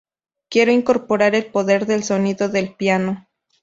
Quiero incorporar el poder del sonido del piano.